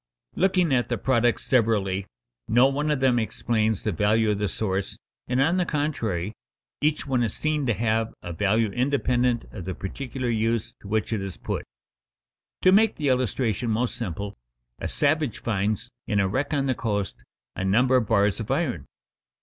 Looking at the products severally, no one of them explains the value of the source, and, on the contrary, each one is seen to have a value independent of the particular use to which it is put. To make the illustration most simple: a savage finds in a wreck on the coast a number of bars of iron.